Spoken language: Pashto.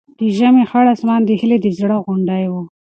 د ژمي خړ اسمان د هیلې د زړه غوندې و.